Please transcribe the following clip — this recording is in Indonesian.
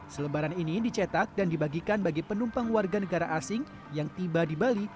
selebaran ini dicetak dan dibagikan bagi penumpang warga negara asing yang tiba di bali